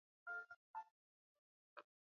Bukoba Manispaa themanini na kilometa mbili